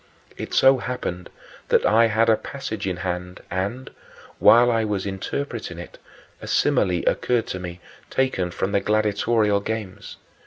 It so happened that I had a passage in hand and, while I was interpreting it, a simile occurred to me, taken from the gladiatorial games.